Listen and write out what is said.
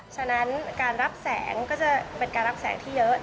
ฉะนั้นการรับแสงก็จะเป็นการรับแสงที่เยอะ